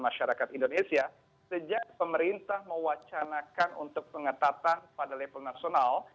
masyarakat indonesia sejak pemerintah mewacanakan untuk pengetatan pada level nasional